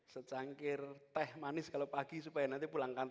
secangkir teh manis kalau pagi supaya nanti pindah ke jakarta